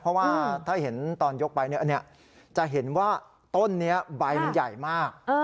เพราะว่าถ้าเห็นตอนยกไปจะเห็นว่าต้นนี้ใบมันใหญ่มาก